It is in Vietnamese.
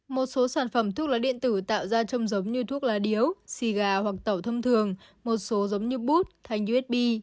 một số sản phẩm thuốc lá điện tử tạo ra trông giống như thuốc lá điếu xì gà hoặc tẩu thông thường một số giống như bút thanh usb